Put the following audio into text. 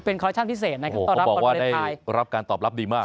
เป็นคอลเลชั่นพิเศษนะครับต้อนรับบรรณไทยเขาบอกว่าได้รับการตอบรับดีมาก